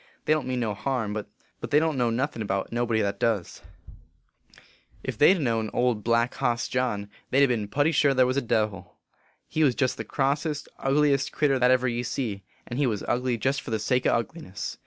they don t mean no harm, but they don t know nothin about nobody that does. If they d ha* 196 OLDTOWN FIRESIDE STORIES. known old Black Hoss John, they d ha been putty sure there was a devil. He was jest the Grossest, ugliest critter that ever ye see, and he was ugly jest for the sake o ugliness.